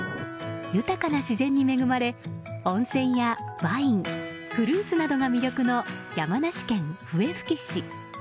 豊かな自然に恵まれ温泉やワインフルーツなどが魅力の山梨県笛吹市。